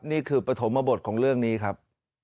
นี่คือปฐมบทของเรื่องนี้ครับ